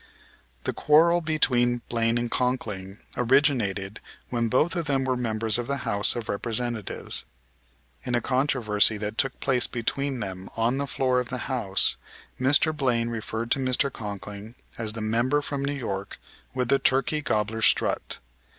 The quarrel between Blaine and Conkling originated when both of them were members of the House of Representatives. In a controversy that took place between them on the floor of the House Mr. Blaine referred to Mr. Conkling as the member from New York with the "turkey gobbler strut."